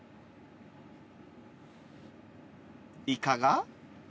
いかが？